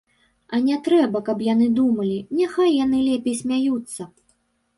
А не трэба, каб яны думалі, няхай яны лепей смяюцца.